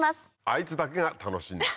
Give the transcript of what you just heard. あいつだけが楽しんだ。